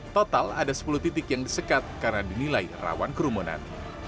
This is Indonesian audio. total ada sepuluh titik yang disekat karena dinilai rawan kerumunan